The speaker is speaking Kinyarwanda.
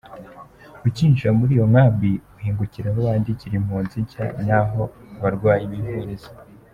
Ukinjira muri iyo nkambi, uhingukira aho bandikira impunzi nshya n’aho abarwaye bivuriza.